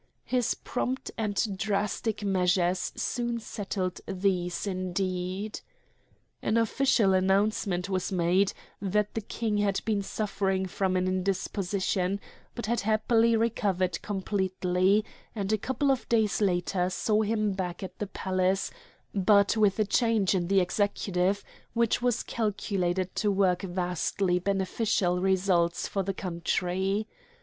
His prompt and drastic measures soon settled these, indeed. An official announcement was made that the King had been suffering from an indisposition, but had happily recovered completely; and a couple of days later saw him back at the palace but with a change in the executive which was calculated to work vastly beneficial results for the country.